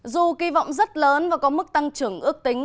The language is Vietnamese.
dù kỳ vọng rất lớn và có mức tăng trưởng ước tính